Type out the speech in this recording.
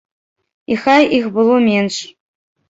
І хай іх было менш.